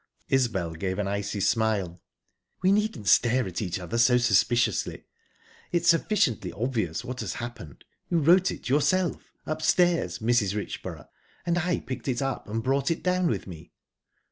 Isbel gave an icy smile. "We needn't stare at each other so suspiciously. Its sufficiently obvious what has happened. You wrote it yourself upstairs, Mrs. Richborough, and I picked it up and brought it down with me."